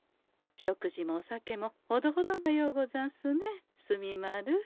食事もお酒もほどほどがようござんすね墨丸。